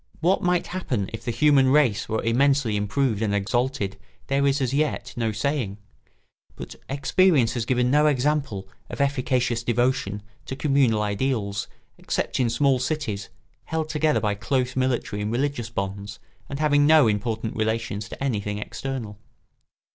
What might happen if the human race were immensely improved and exalted there is as yet no saying; but experience has given no example of efficacious devotion to communal ideals except in small cities, held together by close military and religious bonds and having no important relations to anything external.